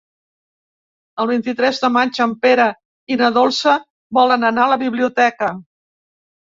El vint-i-tres de maig en Pere i na Dolça volen anar a la biblioteca.